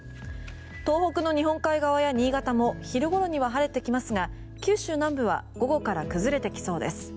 東北の日本海側や新潟も昼ごろには晴れてきますが九州南部は午後から崩れてきそうです。